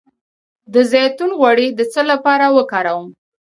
د زیتون غوړي د څه لپاره وکاروم؟